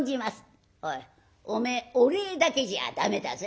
「おいお前お礼だけじゃあ駄目だぜ」。